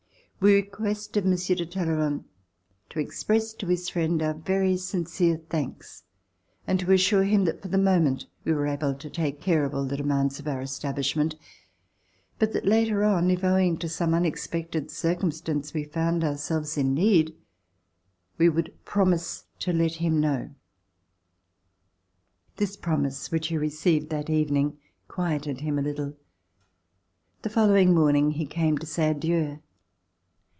We requested Monsieur de Talleyrand to ex press to his friend our very sincere thanks and to [205 ] RECOLLECTIONS OF THE REVOLUTION assure him that for the moment we were able to take care of all the demands of our establishment, but that later on, if, owing to some unexpected circumstance we found ourselves in need, we would promise to let him know. This promise which he received that even ing quieted him a little. The following morning he came to say adieu.